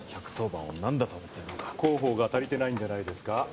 １１０番を何だと思ってるのか広報が足りてないんじゃないですか？